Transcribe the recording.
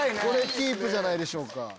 これキープじゃないでしょうか。